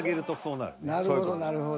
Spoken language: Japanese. なるほどなるほど。